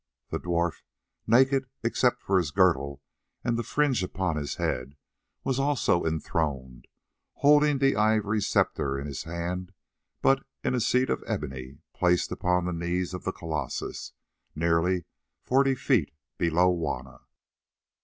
The dwarf, naked except for his girdle and the fringe upon his head, was also enthroned, holding the ivory sceptre in his hand, but in a seat of ebony placed upon the knees of the colossus, nearly forty feet below Juanna.